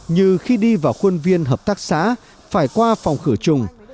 như khi đi vào khuôn viên hợp tác xã phải qua phòng khử trùng